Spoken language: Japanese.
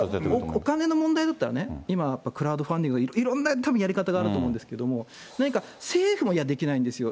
お金の問題だったらね、今、クラウドファンディングとか、いろんな、たぶんやり方があると思うんですけど、何か政府もできないんですよ。